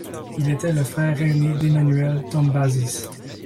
Il était le frère aîné d'Emmanuel Tombazis.